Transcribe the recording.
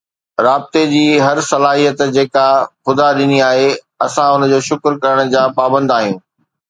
رابطي جي هر صلاحيت جيڪا خدا ڏني آهي، اسان ان جو شڪر ڪرڻ جا پابند آهيون.